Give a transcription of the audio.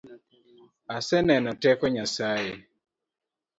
Aseneno teko Nyasaye.